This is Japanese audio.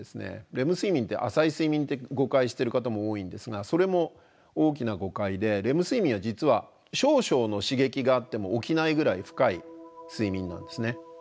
レム睡眠って浅い睡眠って誤解してる方も多いんですがそれも大きな誤解でレム睡眠は実は少々の刺激があっても起きないぐらい深い睡眠なんですね。